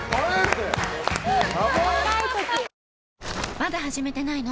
まだ始めてないの？